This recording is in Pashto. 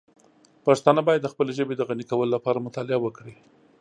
پښتانه باید د خپلې ژبې د غني کولو لپاره مطالعه وکړي.